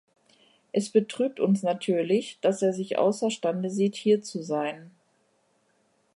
Es betrübt uns natürlich, dass er sich außer Stande sieht, hier zu sein.